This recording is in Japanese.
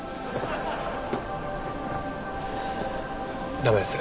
駄目です。